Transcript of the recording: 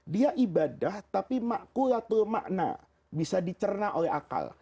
dia ibadah tapi makkulatul makna bisa dicerna oleh akal